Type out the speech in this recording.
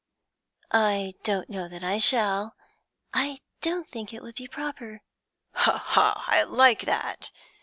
'I don't know that I shall; I don't think it would be proper.' 'Ho, ho! I like that!